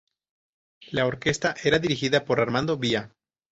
La orquesta era dirigida por Armando Bia.